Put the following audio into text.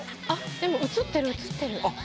でも写ってる写ってる。